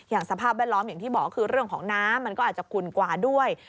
สภาพแวดล้อมอย่างที่บอกคือเรื่องของน้ำมันก็อาจจะขุ่นกว่าด้วย